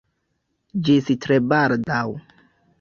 Ĝis tre baldaŭ!